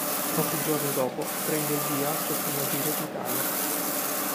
Pochi giorni dopo prende il via al suo primo Giro d'Italia.